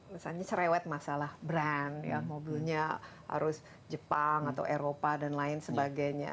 misalnya cerewet masalah brand ya mobilnya harus jepang atau eropa dan lain sebagainya